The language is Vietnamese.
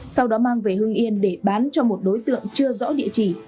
sau đó mang về hương yên để bán cho một đối tượng chưa rõ địa chỉ